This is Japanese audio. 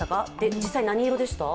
実際何色でした？